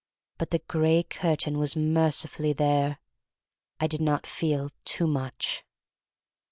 But the gray curtain was mercifully there. I did not feel too much.